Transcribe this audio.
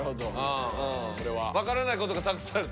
分からないことがたくさんある。